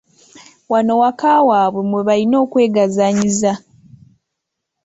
Wano waka waabwe mwe balina okwegazaanyiza .